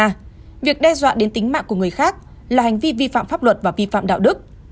nhưng mà việc đe dọa đến tính mạng của người khác là hành vi vi phạm pháp luật và vi phạm đạo đức